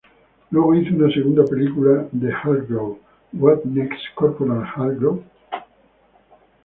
Luego hizo una segunda película de Hargrove, What Next, Corporal Hargrove?